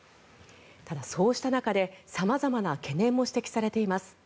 ただ、そうした中で様々な懸念も指摘されています。